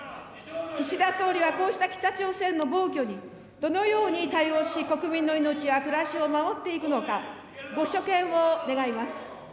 岸田総理はこうした北朝鮮の暴挙にどのように対応し、国民の命や暮らしを守っていくのか、ご所見を願います。